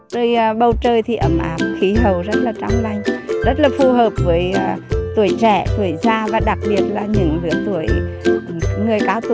trời bầu trời thì ẩm áp khí hầu rất là trong lành rất là phù hợp với tuổi trẻ tuổi già và đặc biệt là những người cao tuổi như các cô